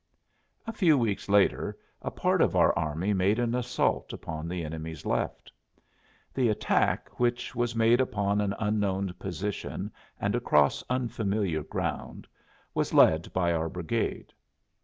A few weeks later a part of our army made an assault upon the enemy's left. The attack, which was made upon an unknown position and across unfamiliar ground, was led by our brigade.